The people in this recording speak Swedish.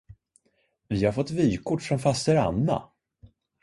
Vi har fått vykort från faster Anna!